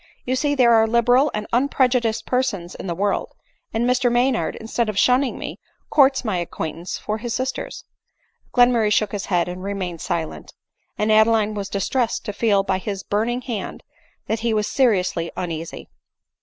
You see there are liberal and unprejudiced persons in the world ; and Mr Maynard, instead of shunning me, courts my acquaintance for his sisters.'* Glenmurray shook his head, and remained silent ; and Adeline was distressed to feel by his burning hand that he was seriously uneasy.